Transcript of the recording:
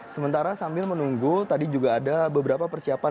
sementara sambil menunggu tadi juga ada beberapa persiapan